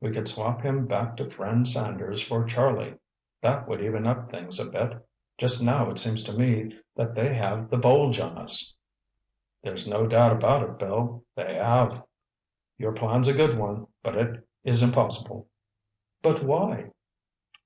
We could swap him back to friend Sanders for Charlie. That would even up things a bit. Just now it seems to me that they have the bulge on us." "There's no doubt about it, Bill—they have. Your plan's a good one, but it is impossible." "But why?"